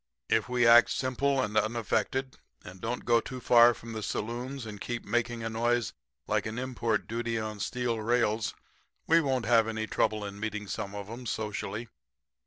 If we act simple and unaffected and don't go too far from the saloons and keep making a noise like an import duty on steel rails we won't have any trouble in meeting some of 'em socially.'